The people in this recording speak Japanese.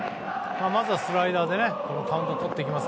まずはスライダーでカウントをとっていきます。